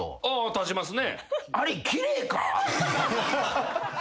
立ちますね。